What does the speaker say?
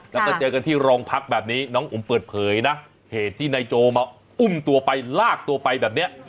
แล้วก็เจอกันที่โรงพักแบบนี้น้องอุ๋มเปิดเผยนะเหตุที่นายโจมาอุ้มตัวไปลากตัวไปแบบนี้